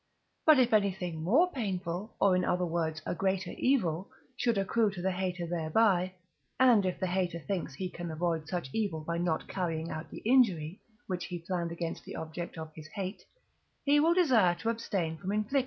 But if anything more painful, or, in other words, a greater evil, should accrue to the hater thereby and if the hater thinks he can avoid such evil by not carrying out the injury, which he planned against the object of his hate he will desire to abstain from inflicting that injury (III.